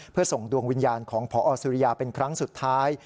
เพื่อส่งดวงวิญญาณของพอสุริยาเป็นครั้งสุดท้าย